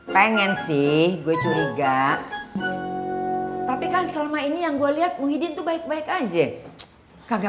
pengen sih gue curiga tapi kan selama ini yang gue lihat muhyiddin tuh baik baik aja kagak